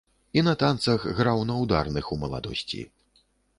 І на танцах граў на ўдарных у маладосці.